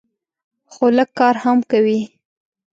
خو لږ کار هم کوي.